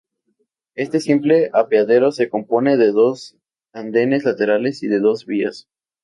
Este simple apeadero se compone de dos andenes laterales y de dos vías.